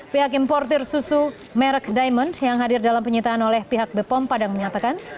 pihak importer susu merek diamond yang hadir dalam penyitaan oleh pihak bepom padang menyatakan